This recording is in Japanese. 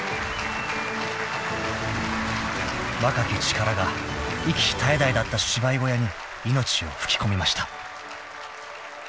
［若き力が息絶え絶えだった芝居小屋に命を吹き込みました］